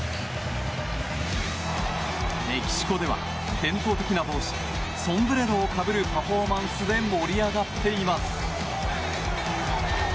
メキシコでは伝統的な帽子ソンブレロをかぶるパフォーマンスで盛り上がっています。